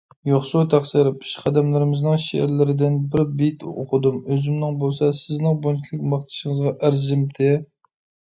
يوقسۇ تەقسىر، پېشقەدەملىرىمىزنىڭ شېئىرلىرىدىن بىر بېيىت ئوقۇدۇم، ئۆزۈمنىڭ بولسا سىزنىڭ بۇنچىلىك ماختىشىڭىزغا ئەرزىمتى.